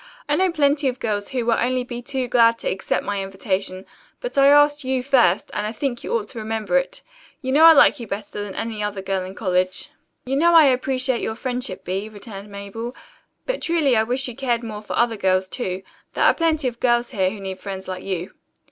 "I know plenty of girls who will be only too glad to accept my invitation, but I asked you first, and I think you ought to remember it. You know I like you better than any other girl in college." "You know I appreciate your friendship, Bee," returned Mabel, "but truly I wish you cared more for other girls, too. There are plenty of girls here who need friends like you."